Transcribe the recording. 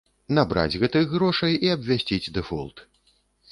Набраць гэтых грошай і абвясціць дэфолт.